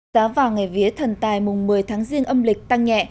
giá vào ngày vía thần tài mùng một mươi tháng riêng âm lịch tăng nhẹ